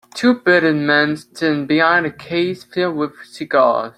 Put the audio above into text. Two bearded men stand behind a case filled with cigars.